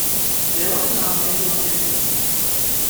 Iruḥ leɛmer-ik, waqila?